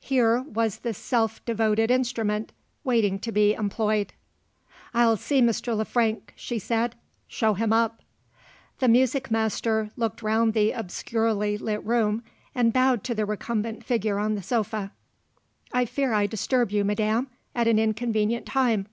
Here was the self devoted instrument, waiting to be employed. "I'll see Mr. Le Frank," she said. "Show him up." The music master looked round the obscurely lit room, and bowed to the recumbent figure on the sofa. "I fear I disturb you, madam, at an inconvenient time."